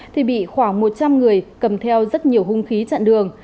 thì bị khoảng một trăm linh người cầm theo rất nhiều hung khí chặn đường